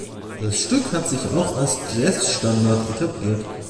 Das Stück hat sich auch als Jazzstandard etabliert.